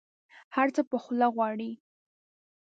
هر څه په خوله غواړي.